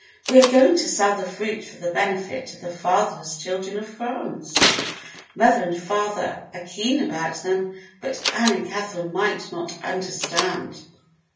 "We are going to sell the fruit for the benefit of the Fatherless Children of France. Mother and father are keen about them, but Ann and Catherine might not understand."